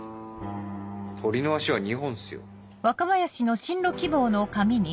鳥の足は２本っすよ。